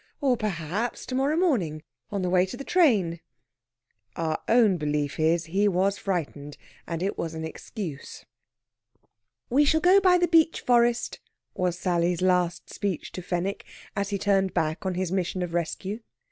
Or, perhaps, to morrow morning, on the way to the train. Our own belief is, he was frightened, and it was an excuse. "We shall go by the beech forest," was Sally's last speech to Fenwick, as he turned back on his mission of rescue.